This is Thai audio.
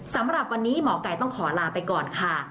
สำหรับวันนี้หมอไก่ต้องขอลาไปก่อนค่ะ